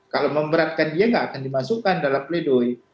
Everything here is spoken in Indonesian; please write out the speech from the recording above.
kalau memberatkan dia nggak akan dimasukkan dalam pledoi